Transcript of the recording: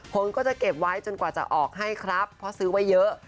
ผมก็จะเก็บไว้จนกว่าจะออกให้ครับเพราะซื้อไว้เยอะ